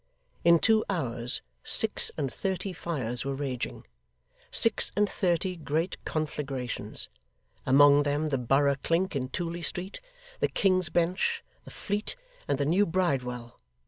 In two hours, six and thirty fires were raging six and thirty great conflagrations: among them the Borough Clink in Tooley Street, the King's Bench, the Fleet, and the New Bridewell.